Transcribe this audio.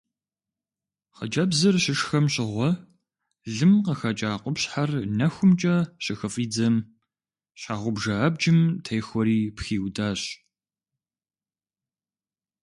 Хъыджэбзыр щышхэм щыгъуэ лым къыхэкӀа къупщхьэр нэхумкӀэ щыхыфӀидзэм щхьэгъубжэ абджым техуэри пхиудащ.